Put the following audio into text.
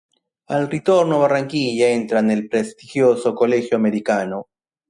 Al ritorno a Barranquilla entra nel prestigioso Colegio Americano.